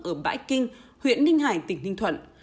ở bãi kinh huyện ninh hải tỉnh ninh thuận